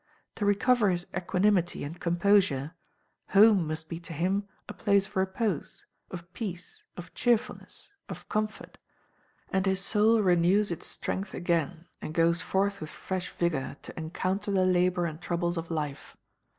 To recover his equanimity and composure, home must be to him a place of repose, of peace, of cheerfulness, of comfort; and his soul renews its strength again, and goes forth with fresh vigour to encounter the labour and troubles of life.